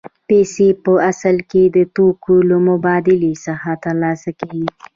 پیسې په اصل کې د توکو له مبادلې څخه ترلاسه کېږي